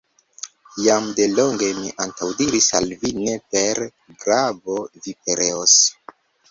Jam delonge mi antaŭdiris al vi: ne per glavo vi pereos!